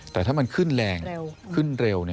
แต่ถ้ามันขึ้นแรงขึ้นเร็ว